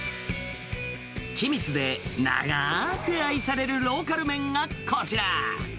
君津で長ーく愛されるローカル麺がこちら。